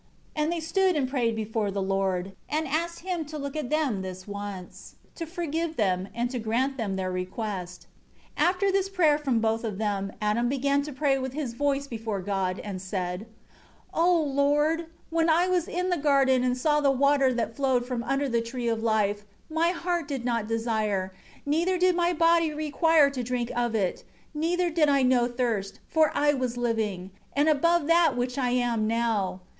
8 And they stood and prayed before the Lord, and asked Him to look at them this once, to forgive them, and to grant them their request. 9 After this prayer from both of them, Adam began to pray with his voice before God, and said; 10 "O Lord, when I was in the garden and saw the water that flowed from under the Tree of Life, my heart did not desire, neither did my body require to drink of it; neither did I know thirst, for I was living; and above that which I am now.